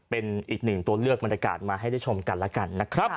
เป็นอีกหนึ่งตัวเลือกบรรยากาศมาให้ได้ชมกันแล้วกันนะครับ